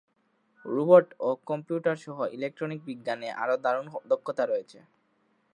Robot ও computer সহ electronic বিজ্ঞানে তার দারুণ দক্ষতা রয়েছে।